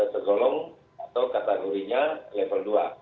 tergolong atau kategorinya level dua